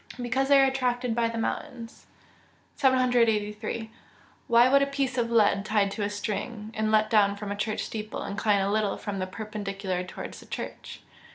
_ Because they are attracted by the mountains. 783. _Why would a piece of lead tied to a string, and let down from a church steeple, incline a little from the perpendicular towards the church?